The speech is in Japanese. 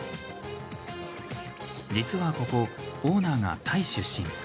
実はここ、オーナーがタイ出身。